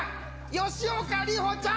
吉岡里帆ちゃん！